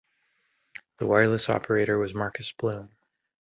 The wireless operator was Marcus Bloom.